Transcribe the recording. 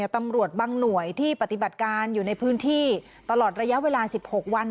ตำรวจบางหน่วยที่ปฏิบัติการอยู่ในพื้นที่ตลอดระยะเวลา๑๖วัน